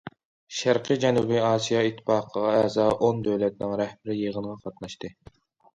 شەرقىي جەنۇبىي ئاسىيا ئىتتىپاقىغا ئەزا ئون دۆلەتنىڭ رەھبىرى يىغىنغا قاتناشتى.